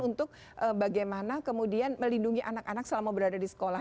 untuk bagaimana kemudian melindungi anak anak selama berada di sekolah